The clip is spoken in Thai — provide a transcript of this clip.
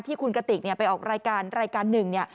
ที่คุณกติกไปออกรายการรายการหนึ่งเนี่ย